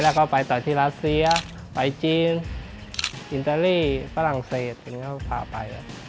แล้วก็ไปต่อที่รัสเซียไปจีนอิตาลีฝรั่งเศสพาไป